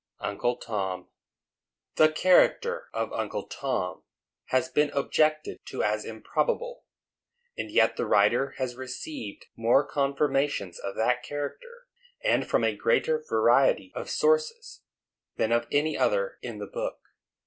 UNCLE TOM. The character of Uncle Tom has been objected to as improbable; and yet the writer has received more confirmations of that character, and from a greater variety of sources, than of any other in the book.